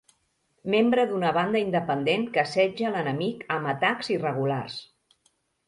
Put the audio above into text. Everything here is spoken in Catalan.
Membre d'una banda independent que assetja l'enemic amb atacs irregulars.